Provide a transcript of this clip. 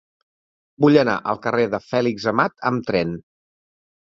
Vull anar al carrer de Fèlix Amat amb tren.